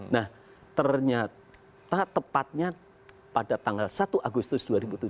nah ternyata tepatnya pada tanggal satu agustus dua ribu tujuh belas